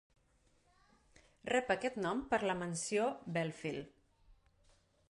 Rep aquest nom per la mansió Belfield.